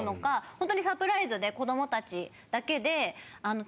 ほんとにサプライズで子どもたちだけで。